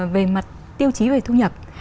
về mặt tiêu chí về thu nhập